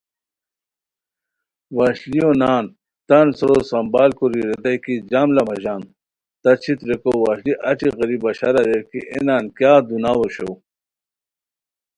وشلیو نان تان سورو سنبھال کوری ریتائے کی جام لہ مہ ژان تہ چیت ریکو وشلی اچی غیری بشار اریر کی اے نان کیاغ دوناؤ اوشوؤ